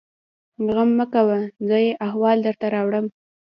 _غم مه کوه! زه يې احوال درته راوړم.